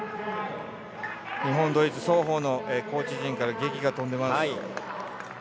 日本、ドイツ双方のコーチ陣からげきが飛んでます。